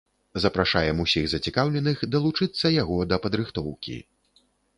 Запрашаем усіх зацікаўленых далучыцца яго да падрыхтоўкі.